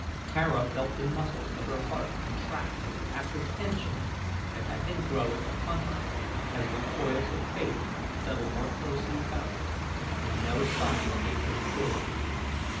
Tara felt the muscles of her heart contract with the apprehension that had been growing upon her as the coils of Fate settled more closely about her and no sign came from Turan.